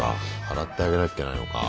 洗ってあげなきゃいけないのか。